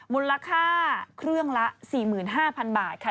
มูลค่าเครื่องละ๔๕๐๐๐บาทค่ะ